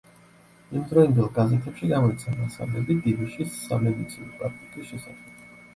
იმდროინდელ გაზეთებში გამოიცა მასალები დივიშის სამედიცინო პრაქტიკის შესახებ.